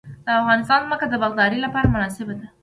د افغانستان ځمکه د باغدارۍ لپاره مناسبه ده